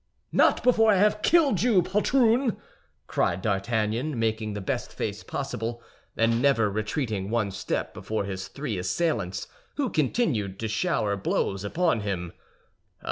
"Not before I have killed you, poltroon!" cried D'Artagnan, making the best face possible, and never retreating one step before his three assailants, who continued to shower blows upon him.